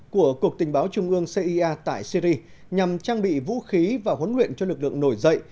của cục tình báo trung ương cia tại syri nhằm trang bị vũ khí và huấn luyện cho lực lượng nổi dậy